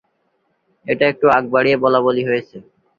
এটা একটু আগ বাড়িয়ে বলাবলি হয়েছে